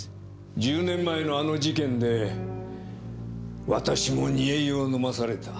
１０年前のあの事件で私も煮え湯を飲まされた。